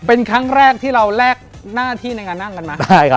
เป็นครั้งแรกที่เราแลกหน้าที่ในการนั่งกันมา